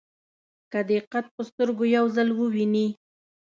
که دې قد په سترګو یو ځل وویني.